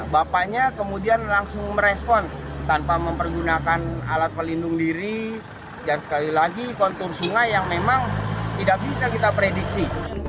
bapaknya kemudian langsung merespon tanpa mempergunakan alat pelindung diri dan sekali lagi kontur singa yang memang tidak bisa kita prediksi